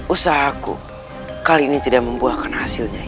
usaha aku kali ini tidak membuahkan hasilnya nyai